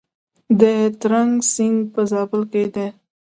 د ترنک سیند په زابل کې دی